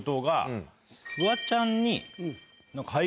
フワちゃんに。